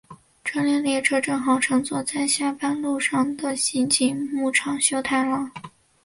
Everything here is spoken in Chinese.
那辆列车正好乘坐着在下班路上的刑警木场修太郎。